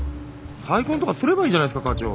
再婚とかすればいいじゃないですか課長。